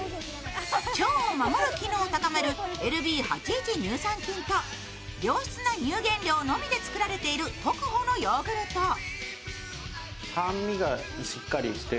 腸を守る機能を高めるＬＢ８１乳酸菌と良質な乳原料のみで作られているトクホのヨーグルト。